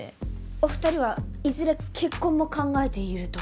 お二人はいずれ結婚も考えていると？